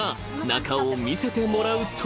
中を見せてもらうと］